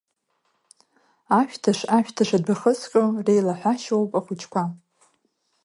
Ашәҭыш, ашәҭыш адәы хызҟьо реилаҳәашьоуп ахәыҷқәа!